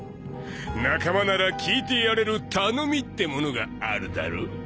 仲間なら聞いてやれる頼みってものがあるだろ？